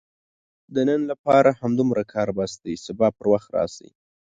د نن لپاره همدومره کار بس دی، سبا پر وخت راشئ!